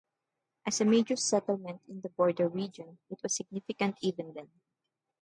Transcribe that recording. As a major settlement in the border region, it was significant even then.